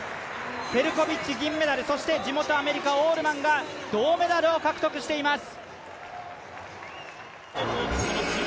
ペルコビッチ銀メダル地元・アメリカオールマンが銅メダルを獲得しています。